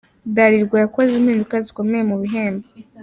Bralirwa yakoze impinduka zikomeye mu bihembo.